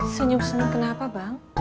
siniu senyum kenapa bang